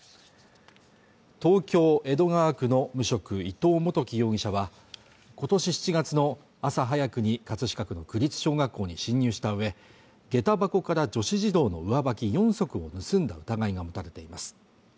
東京江戸川区の無職伊藤元樹容疑者は今年７月の朝早くに葛飾区の区立小学校に侵入したうえげた箱から女子児童の上履き４足を盗んだ疑いが持たれています